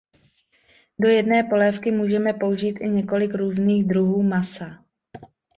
Do jedné polévky můžeme použít i několik různých druhů masa.